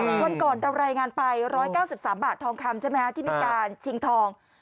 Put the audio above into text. วันก่อนเรารายงานไป๑๙๓บาททองคำใช่ไหมฮะที่มีการชิงทอง